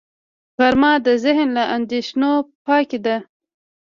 غرمه د ذهن له اندېښنو پاکي ده